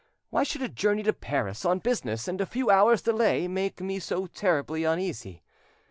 Why should a journey to Paris on business, and a few hours' delay, make, me so terribly uneasy?